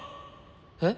えっ？